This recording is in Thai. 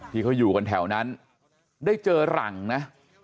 ที่เขาอยู่กันแถวนั้นได้เจอหลังนะ